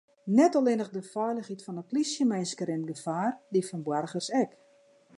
Net allinnich de feilichheid fan de plysjeminsken rint gefaar, dy fan boargers ek.